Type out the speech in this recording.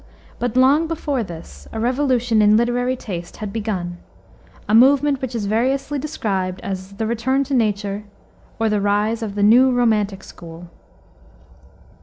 But long before this a revolution in literary taste had begun, a movement which is variously described as The Return to Nature, or The Rise of the New Romantic School.